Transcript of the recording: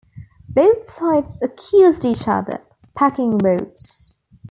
Both sides accused each other "packing votes".